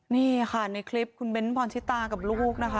นี่ค่ะในคลิปคุณเบ้นพรชิตากับลูกนะคะ